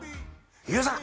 飯尾さん！」